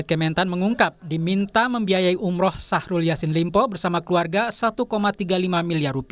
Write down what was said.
kementan mengungkap diminta membiayai umroh sahrul yassin limpo bersama keluarga rp satu tiga puluh lima miliar